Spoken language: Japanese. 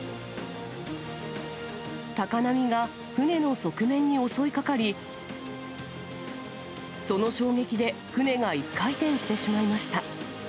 高波が船の側面に襲いかかり、その衝撃で船が一回転してしまいました。